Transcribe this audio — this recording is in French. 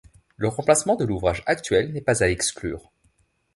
Le remplacement de l'ouvrage actuel n'est pas à exclure.